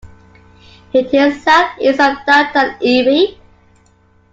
It is southeast of downtown Erie.